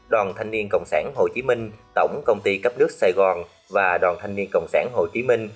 đoàn thanh niên cộng sản hồ chí minh tổng công ty cấp nước sài gòn và đoàn thanh niên cộng sản hồ chí minh